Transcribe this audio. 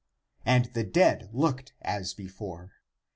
And the dead looked as before.